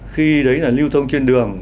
khi đấy là lưu thông trên đường